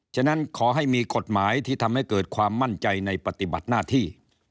ฉะนั้นขอให้มีกฎหมายที่ทำให้เกิดความมั่นใจในปฏิบัติหน้าที่